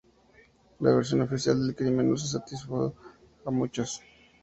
La versión oficial del crimen no satisfizo a muchos.